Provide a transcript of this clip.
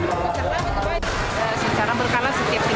ikan asin yang berformalin